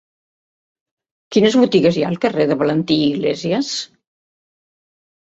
Quines botigues hi ha al carrer de Valentí Iglésias?